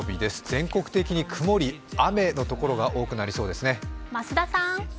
全国的に曇り、雨のところが多くなりそうですね。